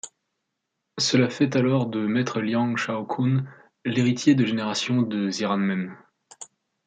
Cela fait alors de Maître Liang Chao Qun l'héritier de génération du Ziranmen.